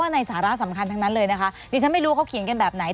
ในสาระสำคัญทั้งนั้นเลยนะคะดิฉันไม่รู้เขาเขียนกันแบบไหน